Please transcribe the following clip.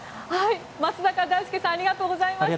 松坂大輔さんありがとうございました。